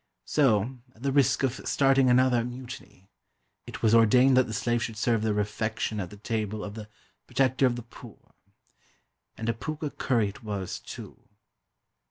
So, at the risk of starting another Mutiny, it was ordained that the slave should serve the refection at the table of the "protector of the poor." And a pukkha curry it was, too.